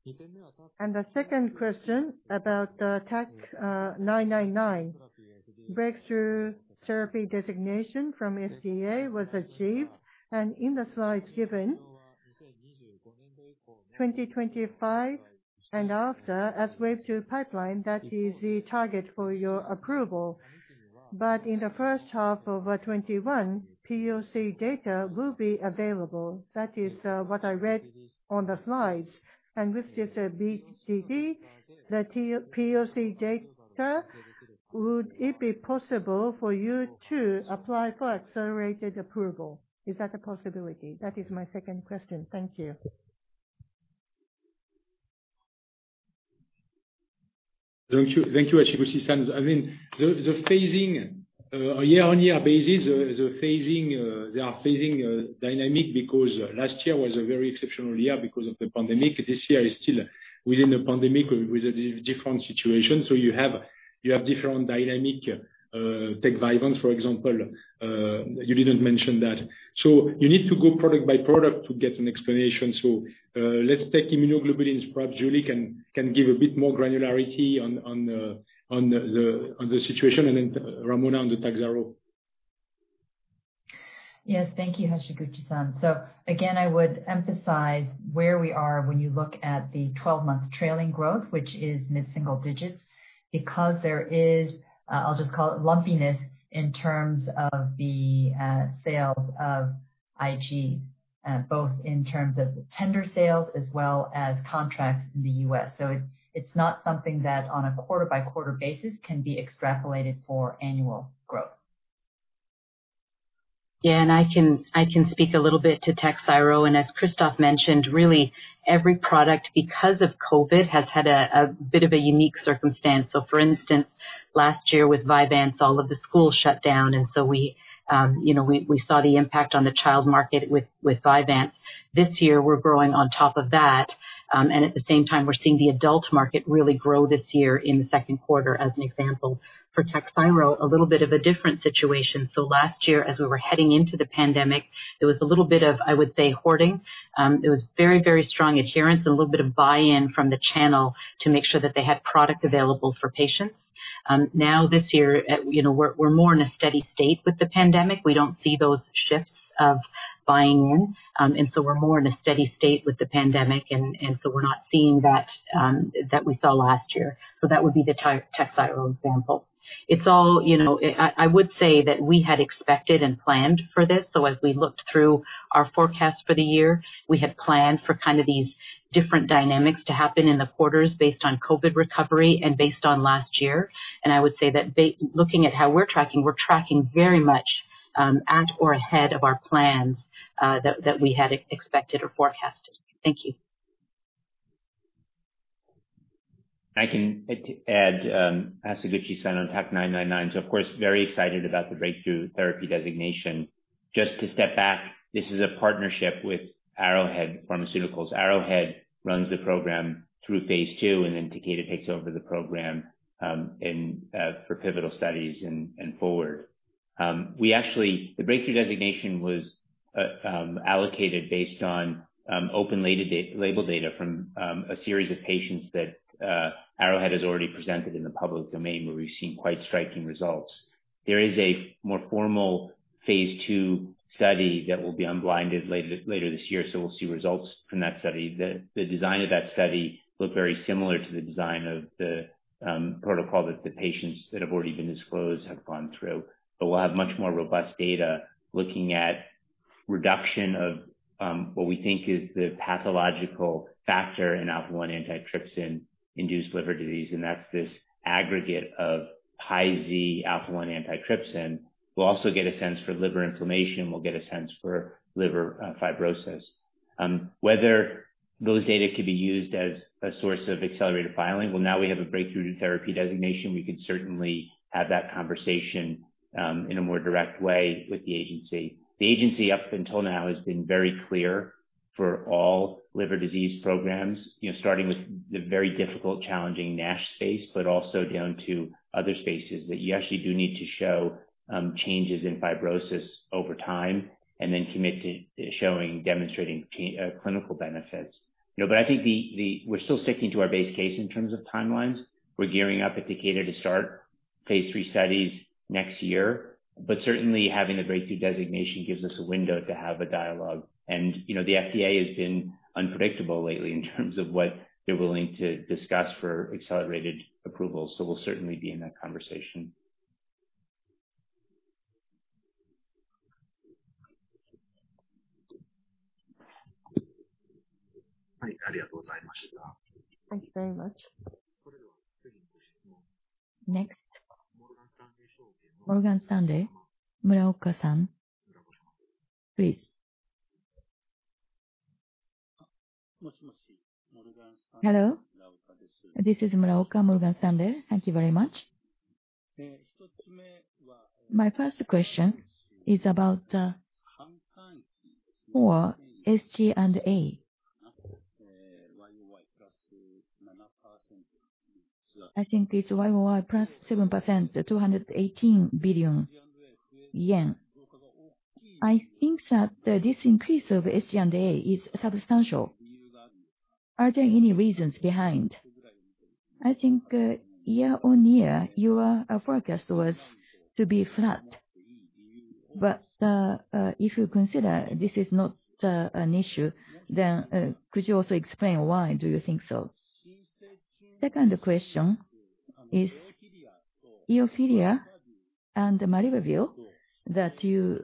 The second question about the TAK-999 Breakthrough Therapy designation from FDA was achieved. In the slides given, 2025 and after as Wave two pipeline, that is the target for your approval. But in the first half of 2021, POC data will be available. That is what I read on the slides. With just a BTD, the POC data, would it be possible for you to apply for accelerated approval? Is that a possibility? That is my second question. Thank you. Thank you, Hashiguchi-san. The phasing year-on-year basis, they are phasing dynamic because last year was a very exceptional year because of the pandemic. This year is still within the pandemic with a different situation. You have different dynamic, take Vyvanse for example, you didn't mention that. You need to go product by product to get an explanation. Let's take immunoglobulins. Perhaps Julie can give a bit more granularity on the situation and then Ramona on the TAKHZYRO. Yes. Thank you, Hashiguchi-san. Again, I would emphasize where we are when you look at the 12-month trailing growth, which is mid-single digits, because there is, I'll just call it lumpiness in terms of the sales of IGs. Both in terms of tender sales as well as contracts in the U.S. It's not something that on a quarter-by-quarter basis can be extrapolated for annual growth. Yeah, I can speak a little bit to TAKHZYRO, and as Christophe mentioned, really every product, because of COVID, has had a bit of a unique circumstance. For instance, last year with Vyvanse, all of the schools shut down. We saw the impact on the child market with Vyvanse. This year, we're growing on top of that. At the same time, we're seeing the adult market really grow this year in the second quarter as an example. For TAKHZYRO, a little bit of a different situation. Last year, as we were heading into the pandemic, there was a little bit of, I would say, hoarding. It was very, very strong adherence and a little bit of buy-in from the channel to make sure that they had product available for patients. Now this year, we're more in a steady state with the pandemic. We don't see those shifts of buying in. We're more in a steady state with the pandemic, we're not seeing that we saw last year. That would be the TAKHZYRO example. I would say that we had expected and planned for this. As we looked through our forecast for the year, we had planned for these different dynamics to happen in the quarters based on COVID-19 recovery and based on last year. I would say that looking at how we're tracking, we're tracking very much at or ahead of our plans that we had expected or forecasted. Thank you. I can add, Hashiguchi-san, on TAK-999. Of course, very excited about the breakthrough therapy designation. Just to step back, this is a partnership with Arrowhead Pharmaceuticals. Arrowhead runs the program through phase II, and then Takeda takes over the program for pivotal studies and forward. The breakthrough designation was allocated based on open label data from a series of patients that Arrowhead has already presented in the public domain, where we've seen quite striking results. There is a more formal phase II study that will be unblinded later this year, so we'll see results from that study. The design of that study looked very similar to the design of the protocol that the patients that have already been disclosed have gone through. We'll have much more robust data looking at reduction of what we think is the pathological factor in alpha-1 antitrypsin-induced liver disease, and that's this aggregate of high Z alpha-1 antitrypsin. We'll also get a sense for liver inflammation, and we'll get a sense for liver fibrosis. Whether those data could be used as a source of accelerated filing? Now we have a Breakthrough Therapy designation. We could certainly have that conversation in a more direct way with the agency. The agency up until now has been very clear for all liver disease programs, starting with the very difficult, challenging NASH space, but also down to other spaces. You actually do need to show changes in fibrosis over time and then commit to showing, demonstrating clinical benefits. I think we're still sticking to our base case in terms of timelines. We're gearing up at Takeda to start phase III studies next year, but certainly having the Breakthrough designation gives us a window to have a dialogue. The FDA has been unpredictable lately in terms of what they're willing to discuss for accelerated approval. We'll certainly be in that conversation. Thank you very much. Thank you very much. Next, Morgan Stanley, Muraoka-san, please. Hello, this is Muraoka, Morgan Stanley. Thank you very much. My first question is about, for SG&A. I think it's YoY plus 7% to 218 billion yen. I think that this increase of SG&A is substantial. Are there any reasons behind? I think year-on-year, your forecast was to be flat. If you consider this is not an issue, then could you also explain why do you think so? Second question is EXKIVITY and maribavir that you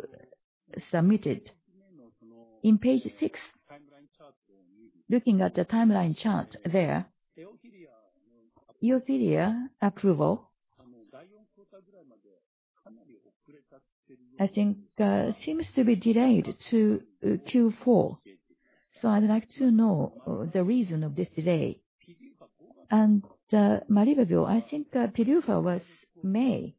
submitted. In page six, looking at the timeline chart there, EXKIVITY approval, I think seems to be delayed to Q4. I'd like to know the reason of this delay. Maribavir, I think PDUFA was May.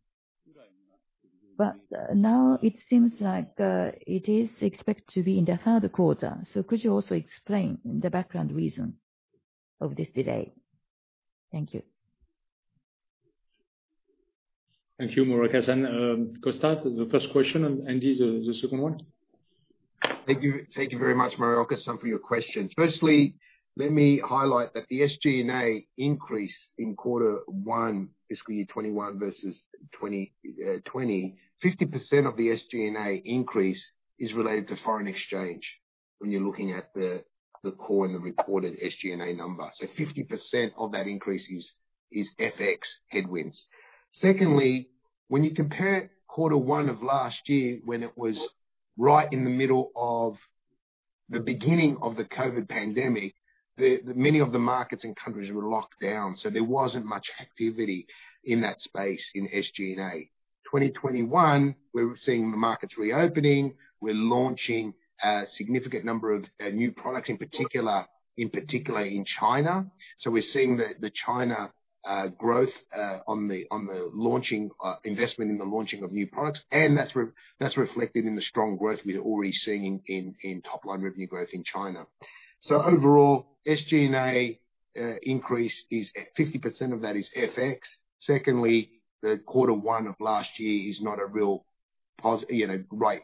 Now it seems like it is expected to be in the third quarter. Could you also explain the background reason of this delay? Thank you. Thank you, Muraoka-san. Costa, the first question, and Andy, the second one. Thank you very much, Muraoka-san, for your questions. Firstly, let me highlight that the SG&A increase in quarter one fiscal year 2021 versus 2020, 50% of the SG&A increase is related to foreign exchange when you're looking at the core and the reported SG&A number. 50% of that increase is FX headwinds. Secondly, when you compare quarter one of last year, when it was right in the middle of the beginning of the COVID-19 pandemic, many of the markets and countries were locked down. There wasn't much activity in that space in SG&A. 2021, we're seeing the markets reopening. We're launching a significant number of new products, in particular in China. We're seeing the China growth on the investment in the launching of new products. That's reflected in the strong growth we're already seeing in top-line revenue growth in China. Overall, SG&A increase, 50% of that is FX. Secondly, the quarter one of last year is not a real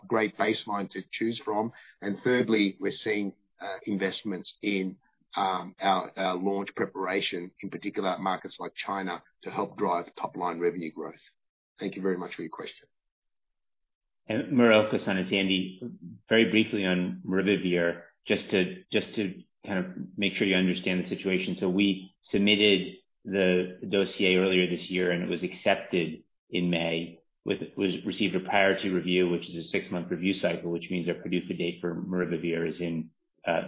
great baseline to choose from. Thirdly, we're seeing investments in our launch preparation, in particular markets like China, to help drive top-line revenue growth. Thank you very much for your question. Muraoka-san, it's Andy. Very briefly on maribavir, just to make sure you understand the situation. We submitted the dossier earlier this year, and it was accepted in May. It received a priority review, which is a six-month review cycle, which means our PDUFA date for maribavir is in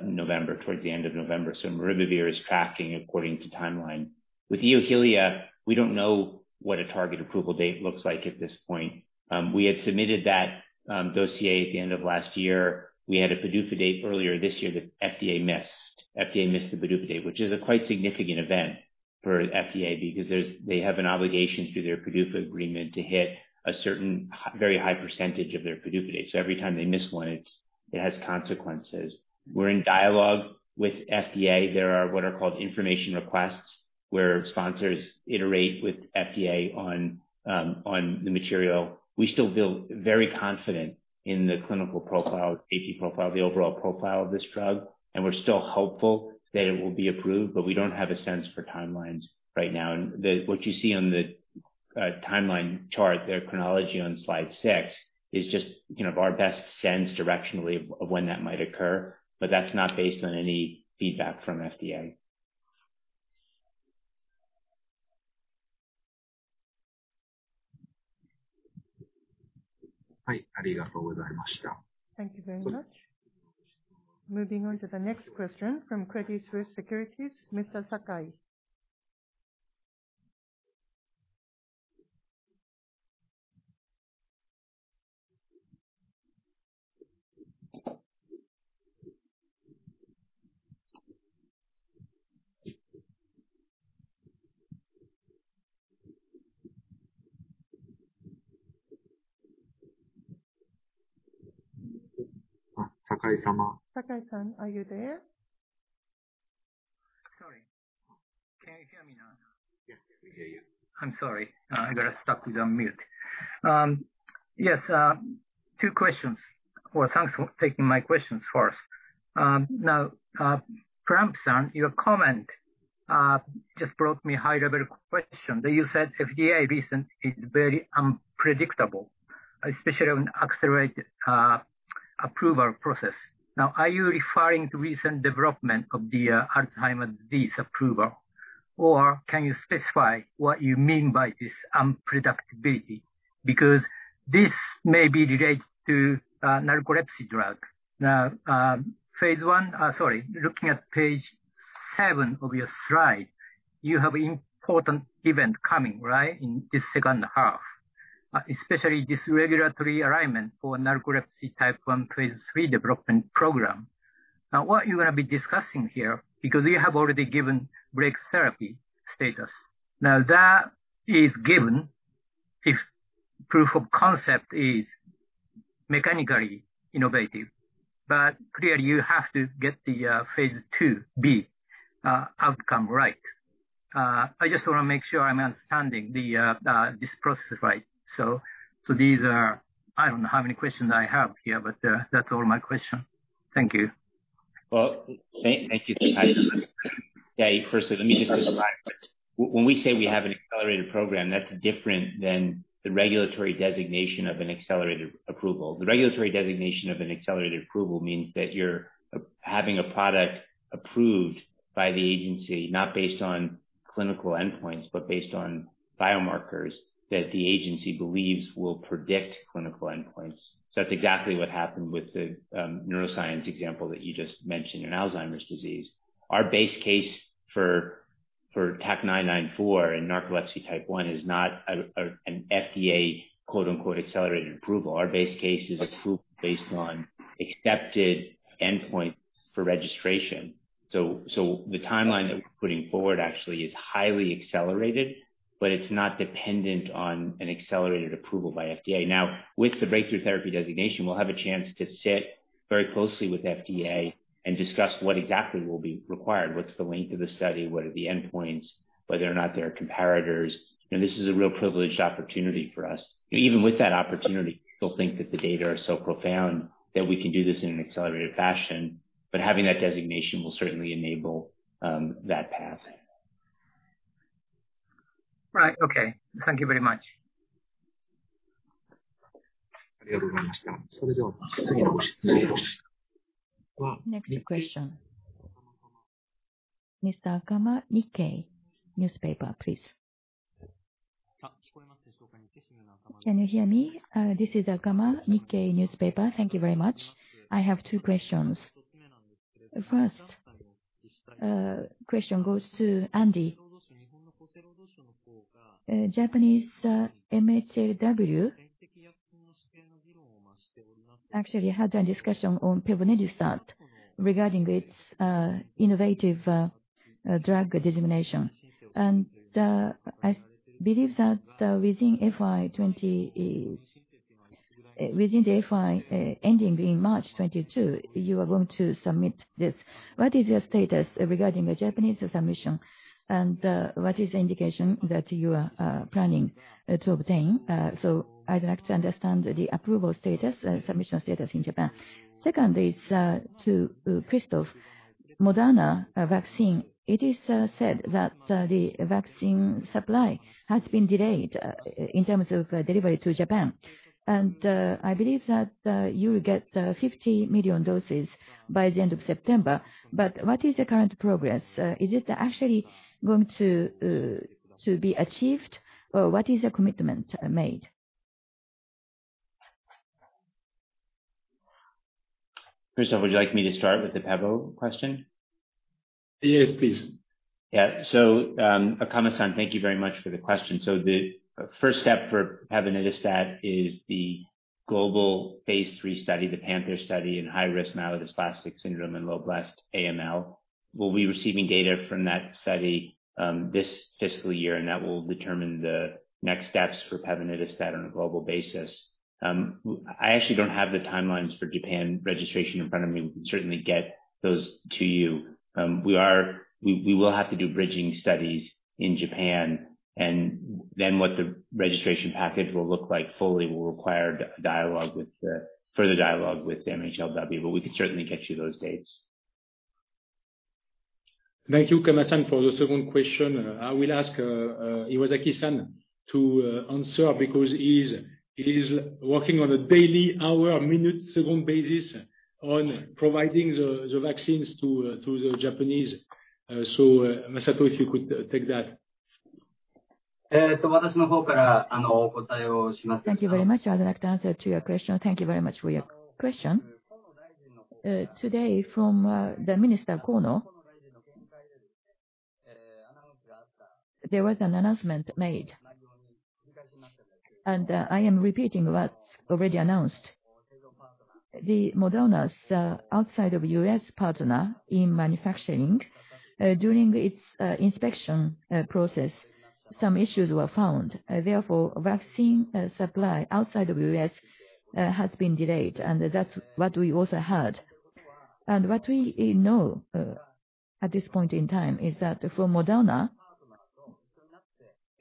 November, towards the end of November. Maribavir is tracking according to timeline. With EXKIVITY, we don't know what a target approval date looks like at this point. We had submitted that dossier at the end of last year. We had a PDUFA date earlier this year that FDA missed. FDA missed the PDUFA date, which is a quite significant event for FDA because they have an obligation through their PDUFA agreement to hit a certain very high % of their PDUFA dates. We're in dialogue with FDA. There are what are called information requests, where sponsors iterate with FDA on the material. We still feel very confident in the clinical profile, safety profile, the overall profile of this drug, and we're still hopeful that it will be approved, but we don't have a sense for timelines right now. What you see on the timeline chart there, chronology on slide 6, is just our best sense directionally of when that might occur. That's not based on any feedback from FDA. Thank you very much. Moving on to the next question from Credit Suisse Securities, Mr. Sakai. Sakai-sama. Sakai-san, are you there? Sorry. Can you hear me now? Yes, we hear you. I'm sorry. I got stuck with unmute. Yes, two questions. Well, thanks for taking my questions first. Andy Plump, your comment just brought me high-level question that you said FDA recent is very unpredictable, especially on accelerated approval process. Are you referring to recent development of the Alzheimer's disease approval, or can you specify what you mean by this unpredictability? This may be related to narcolepsy drug. Looking at page seven of your slide, you have important event coming, right? In this second half. Especially this regulatory alignment for Narcolepsy Type 1 phase III development program. What you're going to be discussing here, you have already given Breakthrough Therapy designation. That is given if proof of concept is mechanically innovative, clearly you have to get the phase II-B outcome right. I just want to make sure I'm understanding this process right. These are, I don't know how many questions I have here, but that's all my question. Thank you. Well, thank you for that. Yeah. First, let me just go back. When we say we have an accelerated program, that's different than the regulatory designation of an accelerated approval. The regulatory designation of an accelerated approval means that you're having a product approved by the agency not based on clinical endpoints, but based on biomarkers that the agency believes will predict clinical endpoints. That's exactly what happened with the neuroscience example that you just mentioned in Alzheimer's disease. Our base case for TAK-994 in Narcolepsy Type 1 is not an FDA, quote unquote, "accelerated approval." Our base case is approved based on accepted endpoints for registration. The timeline that we're putting forward actually is highly accelerated, but it's not dependent on an accelerated approval by FDA. With the Breakthrough Therapy designation, we'll have a chance to sit very closely with FDA and discuss what exactly will be required, what's the length of the study, what are the endpoints, whether or not there are comparators. This is a real privileged opportunity for us. Even with that opportunity, we still think that the data are so profound that we can do this in an accelerated fashion, but having that designation will certainly enable that path. Right. Okay. Thank you very much. Next question. Mr. Akama, Nikkei Asia, please. Can you hear me? This is Akama, Nikkei Asia Thank you very much. I have two questions. First question goes to Andy. Japanese MHLW actually had a discussion on pevonedistat regarding its innovative drug designation. I believe that within the FY ending in March 2022, you are going to submit this. What is your status regarding the Japanese submission, and what is the indication that you are planning to obtain? I'd like to understand the approval status, submission status in Japan. Second is to Christophe. Moderna vaccine. It is said that the vaccine supply has been delayed in terms of delivery to Japan, and I believe that you will get 50 million doses by the end of September. What is the current progress? Is it actually going to be achieved, or what is the commitment made? Christophe, would you like me to start with the pevo question? Yes, please. Yeah. Akama-san, thank you very much for the question. The first step for pevonedistat is the global phase III study, the PANTHER study in high risk myelodysplastic syndrome and low blast AML. We'll be receiving data from that study this fiscal year, and that will determine the next steps for pevonedistat on a global basis. I actually don't have the timelines for Japan registration in front of me. We can certainly get those to you. We will have to do bridging studies in Japan and then what the registration package will look like fully will require further dialogue with MHLW, we can certainly get you those dates. Thank you, Akama-san. For the second question, I will ask Iwasaki-san to answer because he's working on a daily, hour, minute, second basis on providing the vaccines to the Japanese. Masato, if you could take that. Thank you very much. I would like to answer your question. Thank you very much for your question. Today from the Minister Kono, there was an announcement made. I am repeating what's already announced. Moderna's outside of U.S. partner in manufacturing, during its inspection process, some issues were found. Therefore, vaccine supply outside of U.S. has been delayed, and that's what we also heard. What we know at this point in time is that for Moderna,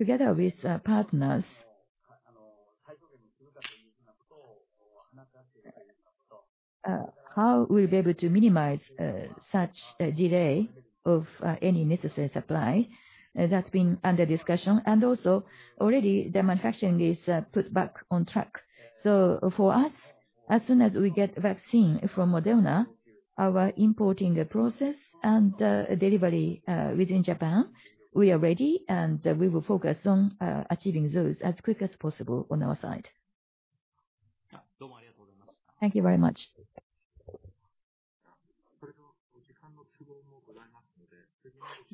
together with partners, how we'll be able to minimize such a delay of any necessary supply, that's been under discussion. Already the manufacturing is put back on track. For us, as soon as we get vaccine from Moderna, our importing process and delivery within Japan, we are ready, and we will focus on achieving those as quick as possible on our side. Thank you very much.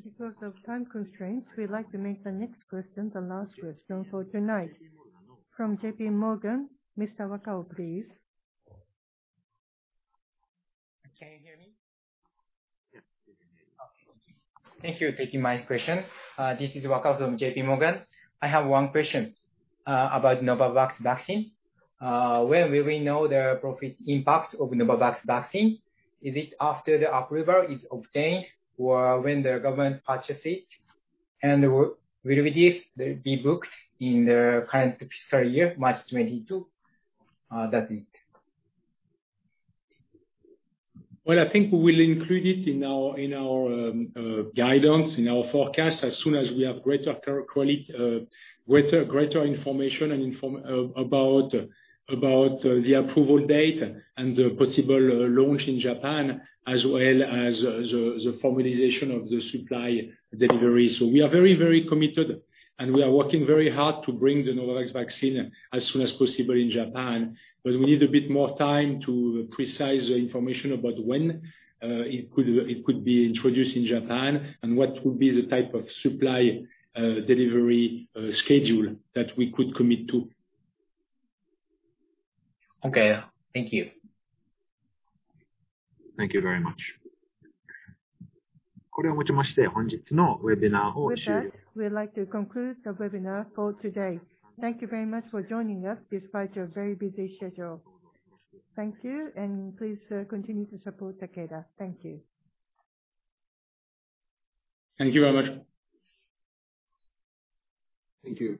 Because of time constraints, we'd like to make the next question the last question for tonight. From JPMorgan, Mr. Wakao, please. Can you hear me? Yes. Thank you for taking my question. This is Wakao from JPMorgan. I have one question about Novavax vaccine. When will we know the profit impact of Novavax vaccine? Is it after the approval is obtained or when the government purchases it? Will it be booked in the current fiscal year, March 2022? That's it. I think we will include it in our guidance, in our forecast as soon as we have greater information about the approval date and the possible launch in Japan, as well as the formalization of the supply delivery. We are very, very committed, and we are working very hard to bring the Novavax vaccine as soon as possible in Japan. We need a bit more time to precise the information about when it could be introduced in Japan and what would be the type of supply delivery schedule that we could commit to. Okay. Thank you. Thank you very much. With that, we'd like to conclude the webinar for today. Thank you very much for joining us despite your very busy schedule. Thank you, and please continue to support Takeda. Thank you. Thank you very much. Thank you.